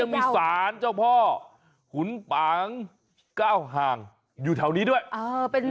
ดูเอาดิโห